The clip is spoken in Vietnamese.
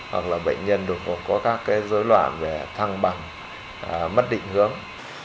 hoặc là bệnh nhân đột ngột có các dối loạn về thăng bằng mất định hướng